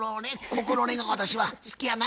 心根が私は好きやな。